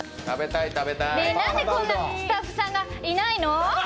何でこんなスタッフさんがいないの？